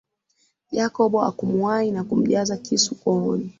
Jacob akamuwahi na kumjaza kisu kooni